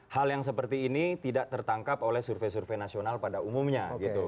hal yang seperti ini tidak tertangkap oleh survei survei nasional pada umumnya